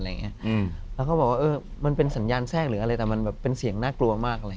แล้วเขาบอกว่ามันเป็นสัญญาณแทรกหรืออะไรแต่มันแบบเป็นเสียงน่ากลัวมากเลย